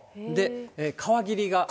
川霧が。